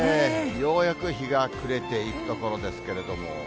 ようやく日が暮れていくところですけれども。